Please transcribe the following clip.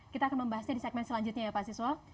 kita akan membahasnya di segmen selanjutnya ya pak siswa